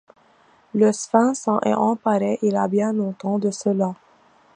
Le Sphinx s'en est emparé il y a bien longtemps de cela.